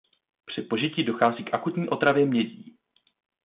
Při požití dochází k akutní otravě mědí.